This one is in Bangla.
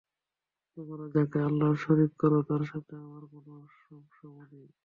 তোমরা যাকে আল্লাহর শরীক কর, তার সাথে আমার কোন সংশ্রব নেই।